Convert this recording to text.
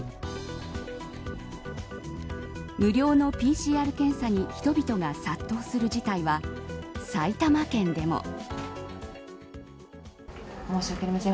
無料のＰＣＲ検査に、人々が殺到する事態は埼玉県でも。